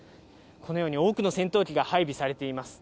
このように多くの戦闘機が配備されています。